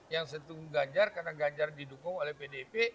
yang sentuh ganjar karena ganjar didukung oleh pdp